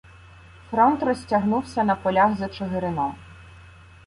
Фронт розтягнувся на полях за Чигирином.